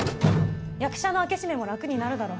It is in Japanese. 役者の開け閉めも楽になるだろ。